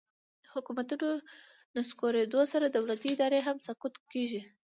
د حکومتونو نسکورېدو سره دولتي ادارې هم سقوط کیږي